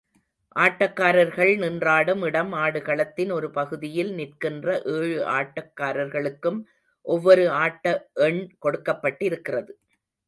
ஆட்டக்காரர்கள் நின்றாடும் இடம் ஆடுகளத்தின் ஒரு பகுதியில், நிற்கின்ற ஏழு ஆட்டக்காரர்களுக்கும் ஒவ்வொரு ஆட்ட எண் கொடுக்கப்பட்டிருக்கிறது.